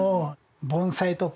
盆栽とか。